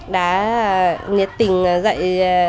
đã nhiệt tình dạy